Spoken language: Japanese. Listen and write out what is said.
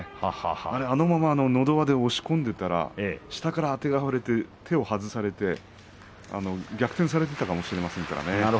あのままのど輪で押し込んでいたら下からあてがわれて手を外されて逆転していたかもしれません。